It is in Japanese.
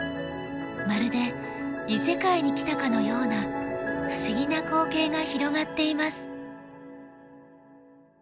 まるで異世界に来たかのような不思議な光景が広がっています。